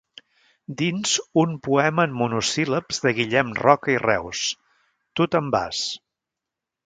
Dins «Un poema en monosíl·labs de Guillem Roca i Reus: Tu te'n vas.